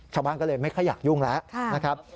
ชาวบ้านก็เลยไม่ค่อยอยากยุ่งแล้วนะครับ